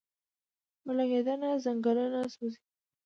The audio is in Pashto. اورلګیدنه ځنګلونه سوځوي